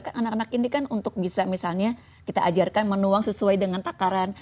kan anak anak ini kan untuk bisa misalnya kita ajarkan menuang sesuai dengan takaran